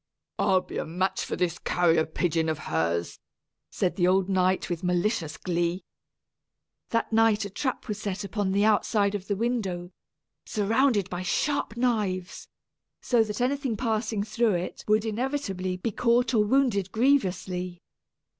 "I'll be a match for this carrier pigeon of hers!" said the old knight with malicious glee. That night a trap was set upon the outside of the window, surrounded by sharp knives, so that anything passing through it would inevitably be caught or wounded grievously.